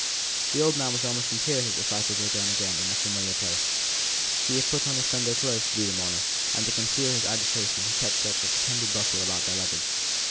The old man was almost in tears at the sight of them again in a familiar place. He had put on his Sunday clothes to do them honour; and to conceal his agitation he kept up a pretended bustle about their luggage.